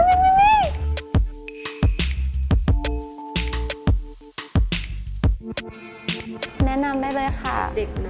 ยืดได้ค่ะ